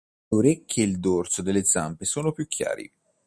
Le orecchie e il dorso delle zampe sono più chiari.